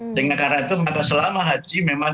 sehingga karena itu maka selama haji memang